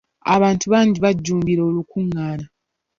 Abantu bangi bajjumbira olukungaana.